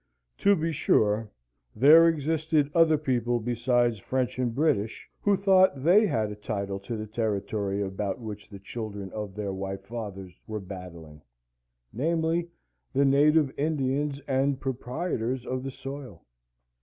To be sure, there existed other people besides French and British, who thought they had a title to the territory about which the children of their White Fathers were battling, namely, the native Indians and proprietors of the soil.